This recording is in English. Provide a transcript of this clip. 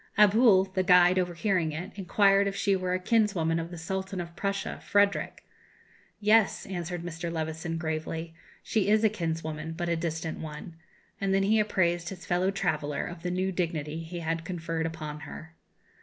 Abhul, the guide, overhearing it, inquired if she were a kinswoman of the Sultan of Prussia, Frederick! "Yes," answered Mr. Levison, gravely, "she is a kinswoman, but a distant one." And then he apprised his fellow traveller of the new dignity he had conferred upon her.